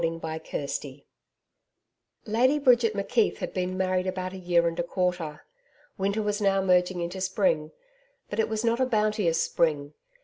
] CHAPTER 8 Lady Bridget McKeith had been married about a year and a quarter. Winter was now merging into spring. But it was not a bounteous spring.